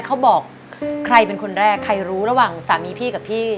เขาบอกใครเป็นคนแรกใครรู้ระหว่างสามีพี่กับพี่